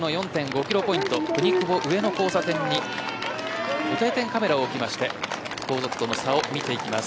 キロポイントくにくぼ上の交差点に定点カメラを置きまして後続との差を見ていきます。